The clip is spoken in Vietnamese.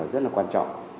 rất là quan trọng